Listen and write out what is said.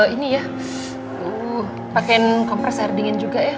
ini ya pakaian kompres air dingin juga ya